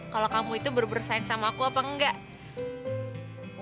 kalau kamu itu bersaing sama aku apa enggak